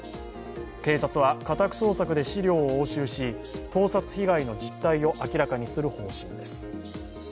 警察は家宅捜索で資料を押収し盗撮被害の実態を明らかにする方針です。